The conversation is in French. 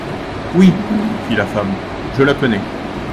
Oui, fit la femme, je la connais.